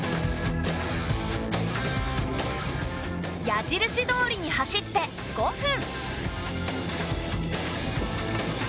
矢印どおりに走って５分。